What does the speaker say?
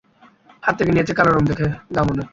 হাত থেকে নিয়েছি কালো রং দেখে, দাম অনেক।